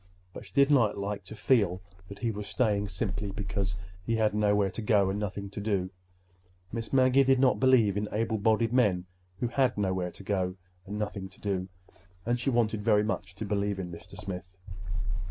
But she did not like to feel that he was staying simply because he had nowhere to go and nothing to do. Miss Maggie did not believe in able bodied men who had nowhere to go and nothing to do—and she wanted very much to believe in Mr. Smith.